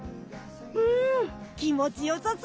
うん気持ち良さそ！